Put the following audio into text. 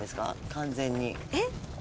完全に。